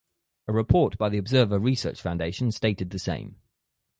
A report by the Observer Research Foundation stated the same.